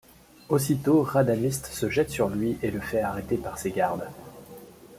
Aussitôt, Rhadamiste se jette sur lui et le fait arrêter par ses gardes.